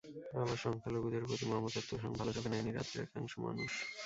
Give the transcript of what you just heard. আবার সংখ্যালঘুদের প্রতি মমতার তোষণ ভালো চোখে নেয়নি রাজ্যের একাংশ মানুষ।